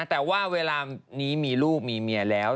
แต่ว่าเวลานี้มีลูกมีเมียแล้ว